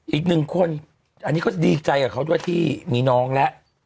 อีกหนึ่งคนอันนี้เขาจะดีใจกับเขาด้วยที่มีน้องแล้ว